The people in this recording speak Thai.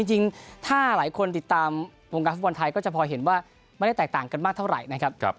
จริงถ้าหลายคนติดตามวงการฟุตบอลไทยก็จะพอเห็นว่าไม่ได้แตกต่างกันมากเท่าไหร่นะครับ